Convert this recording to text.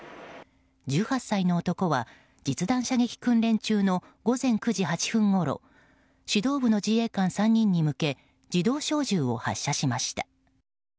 １８歳の男は実弾射撃訓練中の午前９時８分ごろ指導部の自衛官３人に向け自動小銃を発射しました。